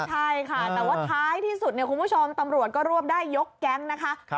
ใช่ค่ะแต่ว่าท้ายที่สุดเนี่ยคุณผู้ชมตำรวจก็รวบได้ยกแก๊งนะคะ